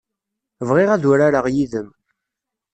Bɣiɣ ad urareɣ yid-m.